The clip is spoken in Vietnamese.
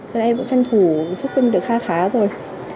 cho nên em cũng tranh thủ shopping được khá khá rồi